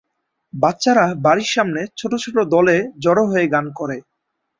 বাচ্চারা বাড়ির সামনে ছোট ছোট দলে জড়ো হয়ে গান করে।